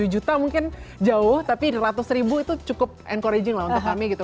satu ratus tujuh juta mungkin jauh tapi seratus ribu itu cukup encouraging lah untuk kami gitu